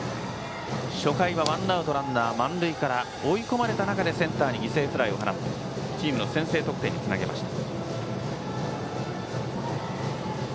初回はワンアウトランナー、満塁から追い込まれた中でセンターに犠牲フライを放ってチームの先制得点につなげました。